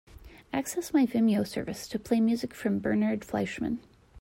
Access my Vimeo service to play music from Bernhard Fleischmann